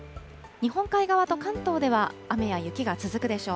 日本海側と関東では、雨や雪が続くでしょう。